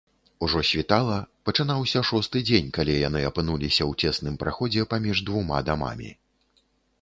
Ужо світала, пачынаўся шосты дзень, калі яны апынуліся ў цесным праходзе паміж двума дамамі.